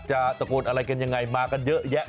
ตะโกนอะไรกันยังไงมากันเยอะแยะ